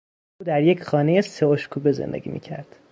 او در یک خانهی سه اشکوبه زندگی میکرد.